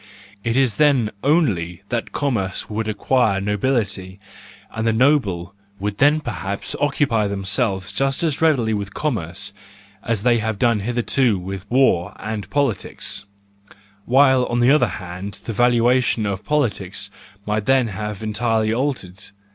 It is then only that commerce would acquire nobility, and the noble would then perhaps occupy themselves just as readily with commerce as they have done hitherto with war and politics : while on the other hand the valuation of politics might then have entirely altered.